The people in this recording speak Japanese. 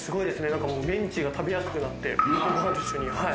何かもうメンチが食べやすくなってご飯と一緒にはい。